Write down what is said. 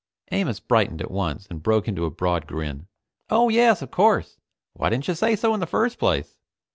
Amos brightened at once and broke into a broad grin. "Oh yes, of course. Why didn't you say so in the first place?